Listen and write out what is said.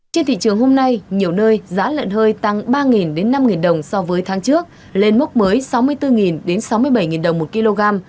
trên thị trường hôm nay nhiều nơi giá lợn hơi tăng ba năm đồng so với tháng trước lên mốc mới sáu mươi bốn sáu mươi bảy đồng một kg